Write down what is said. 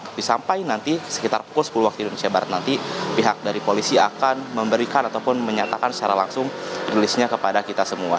tapi sampai nanti sekitar pukul sepuluh waktu indonesia barat nanti pihak dari polisi akan memberikan ataupun menyatakan secara langsung rilisnya kepada kita semua